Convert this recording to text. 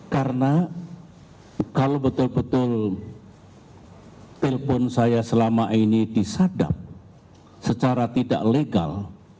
karena kalau betul betul telpon saya selama ini disadap secara tidak legal